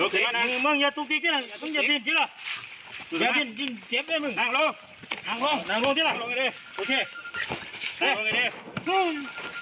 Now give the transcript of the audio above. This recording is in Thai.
โอเคลุกยังไม่เอาเงิน